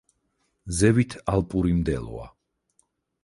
ზევით ალპური მდელოა.